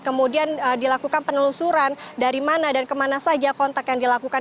kemudian dilakukan penelusuran dari mana dan kemana saja kontak yang dilakukan